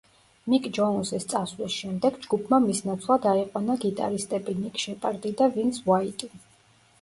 მიკ ჯოუნსის წასვლის შემდეგ, ჯგუფმა მის ნაცვლად აიყვანა გიტარისტები ნიკ შეპარდი და ვინს უაიტი.